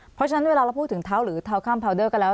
เพราะฉะนั้นเวลาเราพูดถึงเท้าหรือเท้าข้ามพาวเดอร์ก็แล้ว